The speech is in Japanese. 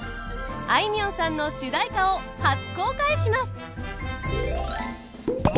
あいみょんさんの主題歌を初公開します。